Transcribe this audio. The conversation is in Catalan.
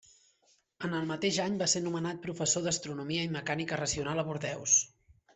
En el mateix any va ser nomenat professor d'Astronomia i Mecànica Racional a Bordeus.